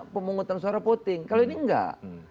pemungutan suara voting kalau ini enggak